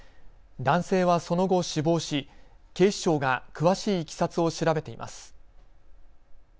男性はその後、死亡し警視庁が詳しいいきさつを調べています。